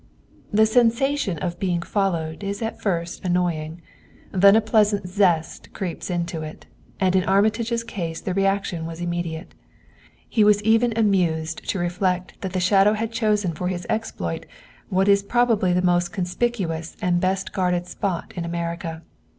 The sensation of being followed is at first annoying; then a pleasant zest creeps into it, and in Armitage's case the reaction was immediate. He was even amused to reflect that the shadow had chosen for his exploit what is probably the most conspicuous and the best guarded spot in America.